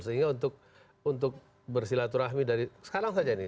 sehingga untuk bersilaturahmi dari sekarang saja ini